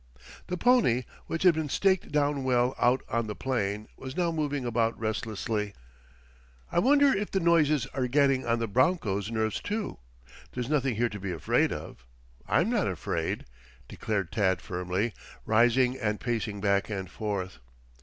The pony, which had been staked down well out on the plain, was now moving about restlessly. "I wonder if the noises are getting on the broncho's nerves, too? There's nothing here to be afraid of. I'm not afraid," declared Tad firmly, rising and pacing back and forth.